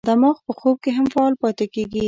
دماغ په خوب کې هم فعال پاتې کېږي.